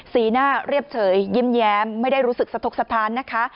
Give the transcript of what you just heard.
สีหน้าเรียบเฉยยิ้มแย้มไม่ได้รู้สึกสะทกสถานนะคะ